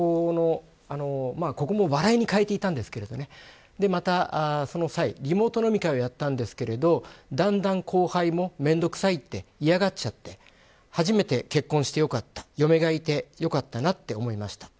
ここも笑いにかえていたんですけどまた、その際リモート飲み会をやったんですけどだんだん後輩もめんどくさいって嫌がっちゃって初めて結婚してよかった嫁がいてよかったなと思いました。